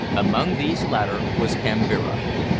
Among these latter was Kambira.